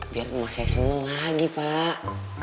biar rumah saya seneng lagi pak